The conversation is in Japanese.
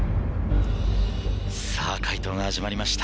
さぁ解答が始まりました。